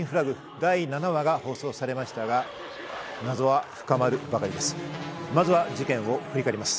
第７話が放送されましたが謎は深まるばかりです。